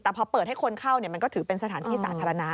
แต่พอเปิดให้คนเข้ามันก็ถือเป็นสถานที่สาธารณะ